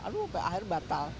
aduh akhirnya batal